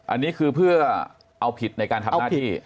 อันนี้คือเพื่อเอาผิดในการทำหน้าที่